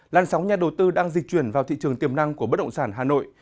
lan sóng nhà đầu tư đang dịch chuyển vào thị trường tiềm năng của bất động sản hà nội